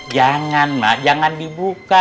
jangan mak jangan dibuka